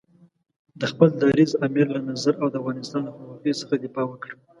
د خپل دریځ، امیر له نظر او د افغانستان له خپلواکۍ څخه دفاع وکړه.